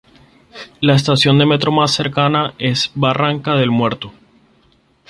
La estación de metro más cercana es Barranca del Muerto.